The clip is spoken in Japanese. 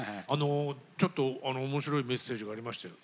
ちょっと面白いメッセージがありましたよ。